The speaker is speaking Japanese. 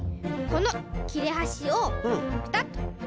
このきれはしをペタッと。